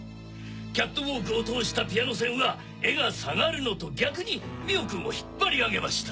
キャットウォークを通したピアノ線は絵が下がるのと逆に美緒君を引っ張り上げました。